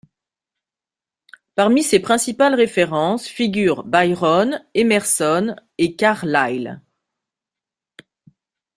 Parmi ses principales références, figurent Byron, Emerson et Carlyle.